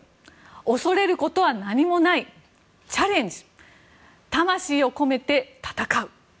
恐れることは何もないチャレンジ魂を込めて戦う。